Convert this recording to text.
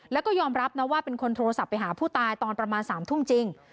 แล้วก็ยอมรับนะว่าเป็นคนโทรศัพท์ไปหาผู้ตายตอนประมาณ๓ทุ่มจริง